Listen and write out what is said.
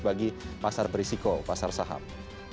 bagi pasar berisiko pasar saham